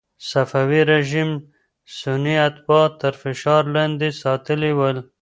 صفوي رژیم سني اتباع تر فشار لاندې ساتلي ول.